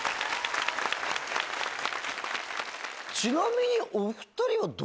ちなみに。